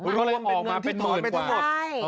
มันก็เลยออกมาที่ถอนไปทั้งหมด